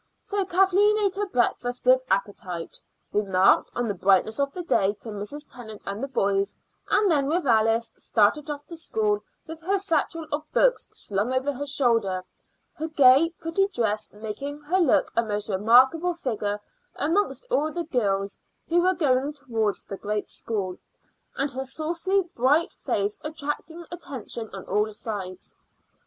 So Kathleen ate her breakfast with appetite, remarked on the brightness of the day to Mrs. Tennant and the boys, and then with Alice started off to school with her satchel of books slung over her shoulder, her gay, pretty dress making her look a most remarkable figure amongst all the girls who were going towards the great school, and her saucy bright face attracting attention on all sides.